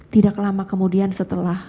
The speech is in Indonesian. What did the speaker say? tidak lama kemudian setelah